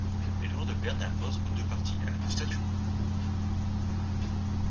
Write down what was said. Les lourdes pertes imposent aux deux partis le statu quo.